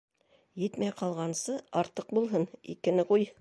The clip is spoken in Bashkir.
Етмәй ҡалғансы, артыҡ булһын, икене ҡуй.